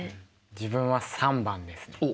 自分は３番ですね。